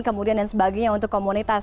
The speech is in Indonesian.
kemudian dan sebagainya untuk komunitas